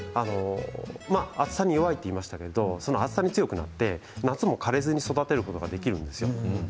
暑さに弱いと言いましたが暑さに強くなって夏も枯れずに育てることができるんです。